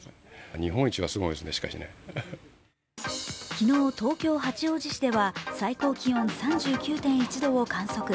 昨日、東京・八王子市では最高気温３９．１度を観測。